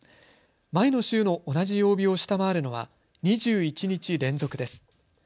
前の週の同じ曜日を下回るのは２１日連続です。